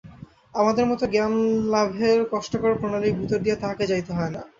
আমাদের মত জ্ঞানলাভের কষ্টকর প্রণালীর ভিতর দিয়া তাঁহকে যাইতে হয় না।